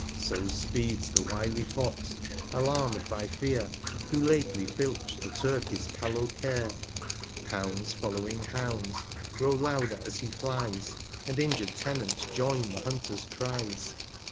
66 So speeds the wily Fox, alarm'd by Fear, Who lately filch'd the Turkey's callow Care ; Hounds following Hounds, grow louder as he flies, J\nd injured Tenants joyn the Hunter's Cries.